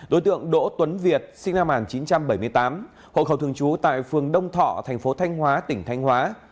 đối tượng đỗ tuấn việt sinh năm một nghìn chín trăm bảy mươi tám hộ khẩu thường trú tại phường đông thọ thành phố thanh hóa tỉnh thanh hóa